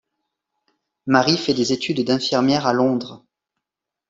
Mary fait des études d'infirmières à Londres.